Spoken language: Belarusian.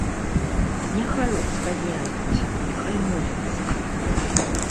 Няхай узгадняюць, няхай моляцца.